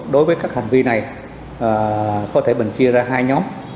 đối với các hành vi này có thể mình chia ra hai nhóm